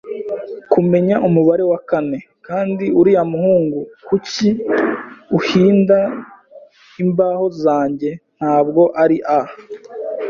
kumenya umubare wa kane, kandi uriya muhungu, kuki, uhinda imbaho zanjye, ntabwo ari a